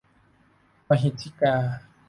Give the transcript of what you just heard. มะหิทธิกา